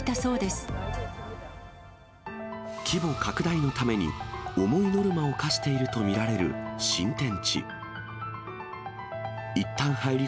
規模拡大のために、重いノルマを課していると見られる新天地。